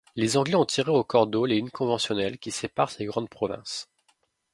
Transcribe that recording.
Les Anglais ont tiré au cordeau les lignes conventionnelles qui séparent ces grandes provinces.